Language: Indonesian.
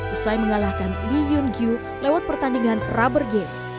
usai mengalahkan lee yun kyu lewat pertandingan rubber game